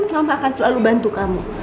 kaum akan selalu bantu kamu